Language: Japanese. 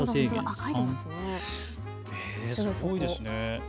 すごいですね。